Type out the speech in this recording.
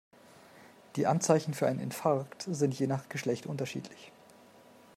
Die Anzeichen für einen Infarkt sind je nach Geschlecht unterschiedlich.